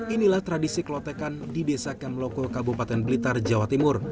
inilah tradisi klotekan di desa kemloko kabupaten blitar jawa timur